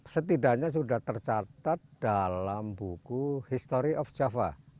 setidaknya sudah tercatat dalam buku history of java